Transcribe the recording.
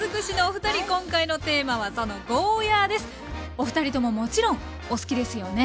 おふたりとももちろんお好きですよね。